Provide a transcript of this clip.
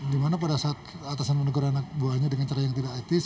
dimana pada saat atasan menegur anak buahnya dengan cara yang tidak etis